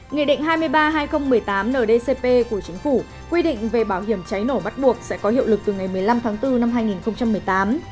nghị định hai mươi ba hai nghìn một mươi tám ndcp của chính phủ quy định về bảo hiểm cháy nổ bắt buộc sẽ có hiệu lực từ ngày một mươi năm tháng bốn năm hai nghìn một mươi tám